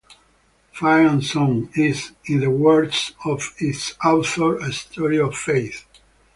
"Fire and Song" is, in the words of its author, "a story of Faith".